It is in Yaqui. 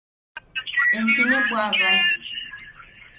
–Enchi ne bwaʼabae.